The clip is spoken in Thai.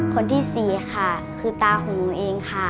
คนที่สี่ค่ะคือตาของหนูเองค่ะ